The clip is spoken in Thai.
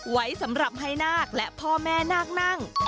ไว้สำหรับให้นาคและพ่อแม่นาคนั่ง